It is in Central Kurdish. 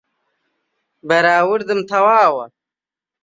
بەراوردم تەواوە